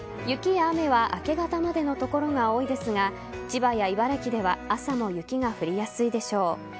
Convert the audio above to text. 雪や雨は明け方までの所が多いですが千葉や茨城では朝も雪が降りやすいでしょう。